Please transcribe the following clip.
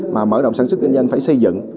mà mở rộng sản xuất kinh doanh phải xây dựng